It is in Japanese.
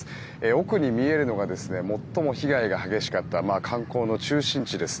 奥に見えるのが最も被害が激しかった観光の中心地です。